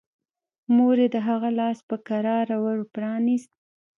مور يې د هغه لاس په کراره ور پرانيست.